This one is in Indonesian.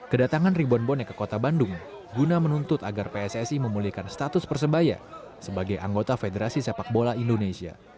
kedatangan ribuan bonek ke kota bandung guna menuntut agar pssi memulihkan status persebaya sebagai anggota federasi sepak bola indonesia